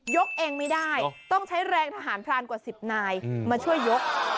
เองไม่ได้ต้องใช้แรงทหารพรานกว่า๑๐นายมาช่วยยก